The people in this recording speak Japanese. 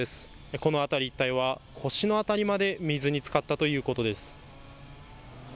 この辺り一帯は腰の辺りまで水につかったということです。